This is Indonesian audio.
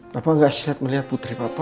papa gak siap melihat putri papa